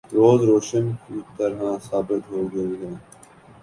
‘ روز روشن کی طرح ثابت ہو گئی ہے۔